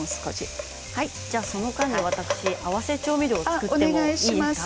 その間に私、合わせ調味料を作っていいですか。